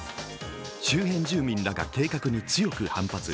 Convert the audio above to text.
周辺住民らが計画に強く反発。